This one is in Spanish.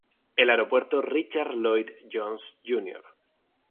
El Aeropuerto Richard Lloyd Jones Jr.